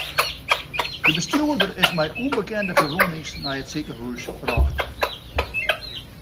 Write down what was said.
De bestjoerder is mei ûnbekende ferwûnings nei it sikehús brocht.